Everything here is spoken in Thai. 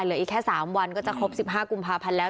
เหลืออีกแค่สามวันก็จะครบสิบห้ากุมภาพันธ์แล้ว